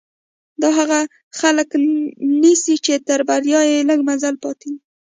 دا هغه خلک نيسي چې تر بريا يې لږ مزل پاتې وي.